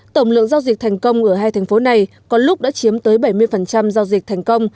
tổng lượng giao dịch thành công ở hai thành phố này có lúc đã chiếm tới bảy mươi giao dịch thành công